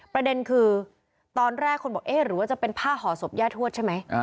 ประเด็นคือตอนแรกคนบอกเอ๊ะหรือว่าจะเป็นผ้าห่อศพย่าทวดใช่ไหม